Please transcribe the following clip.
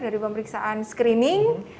dari pemeriksaan screening